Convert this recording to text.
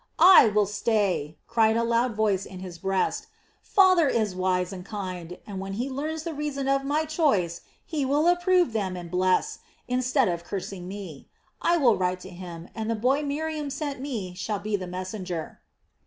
"I will stay!" cried a loud voice in his breast. "Father is wise and kind, and when he learns the reasons for my choice he will approve them and bless, instead of cursing me. I will write to him, and the boy Miriam sent me shall be the messenger."